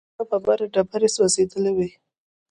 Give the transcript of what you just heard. څو ګامه بره ډبرې سوځېدلې وې.